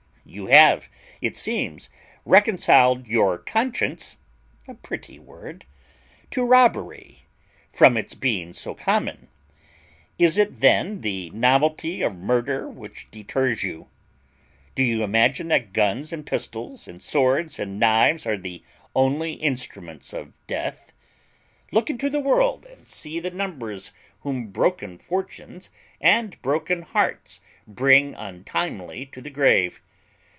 You have, it seems, reconciled your conscience (a pretty word) to robbery, from its being so common. Is it then the novelty of murder which deters you? Do you imagine that guns, and pistols, and swords, and knives, are the only instruments of death? Look into the world and see the numbers whom broken fortunes and broken hearts bring untimely to the grave.